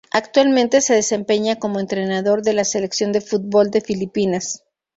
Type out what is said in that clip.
Actualmente se desempeña como entrenador de la selección de fútbol de Filipinas.